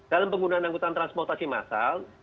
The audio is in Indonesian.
dalam penggunaan angkutan transportasi massal